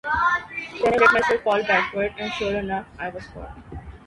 Then I let myself fall backward, and sure enough, I was caught.